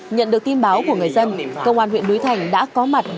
nhận được tin báo của người dân công an huyện núi thành đã có mặt